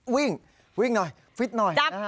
วิ่งวิ่งหน่อยฟิตหน่อยนะฮะ